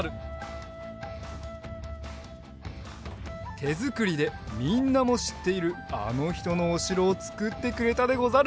てづくりでみんなもしっているあのひとのおしろをつくってくれたでござる。